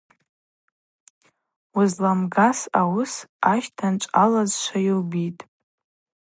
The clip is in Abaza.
Уызламгас ауыс ащтанчӏв алазшва йубитӏ.